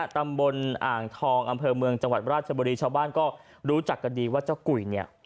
ตำบลอ่างทองอำเภอเมืองจังหวัดราชบุรีชาวบ้านก็รู้จักกันดีว่าเจ้ากุยเนี่ย